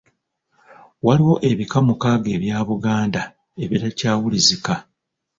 Waliwo ebika mukaaga ebya Buganda ebitakyawulizika.